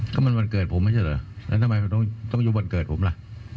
ก็มันวันเกิดผมไม่ใช่เหรอแล้วทำไมมันต้องอายุวันเกิดผมล่ะ